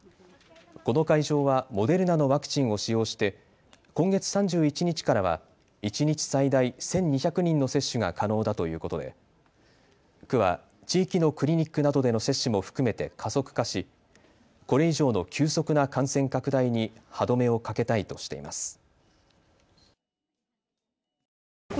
この会場はモデルナのワクチンを使用して今月３１日からは一日最大１２００人の接種が可能だということで区は地域のクリニックなどでの接種も含めて加速化しこれ以上の急速な感染拡大に歯止めをかけたいとしています。